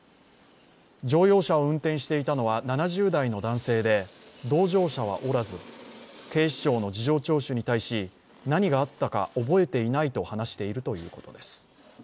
乗用車を運転していたのは７０代の男性で同乗者はおらず、警視庁の事情聴取に対し、何があったか覚えていないと話しているということです。